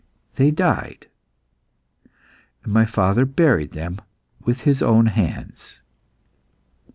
They died, and my father buried them with his own hands.